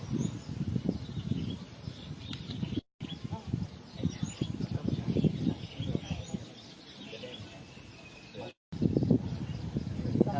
สุดท้ายเห็นเหมือนว่าจะรอคอยมัน